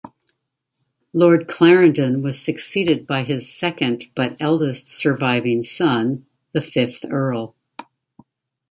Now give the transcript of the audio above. Lord Clarendon was succeeded by his second but eldest surviving son, the fifth Earl.